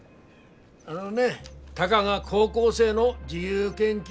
あのねたかが高校生の自由研究です。